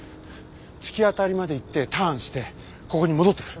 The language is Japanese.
突き当たりまで行ってターンしてここに戻ってくる。